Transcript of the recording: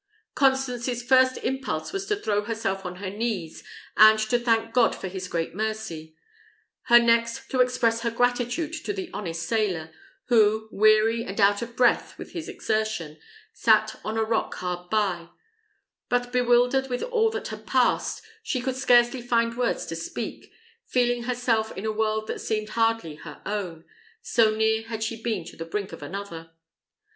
Constance's first impulse was to throw herself on her knees, and to thank God for his great mercy; her next to express her gratitude to the honest sailor, who, weary and out of breath with his exertion, sat on a rock hard by; but bewildered with all that had passed, she could scarcely find words to speak, feeling herself in a world that seemed hardly her own, so near had she been to the brink of another.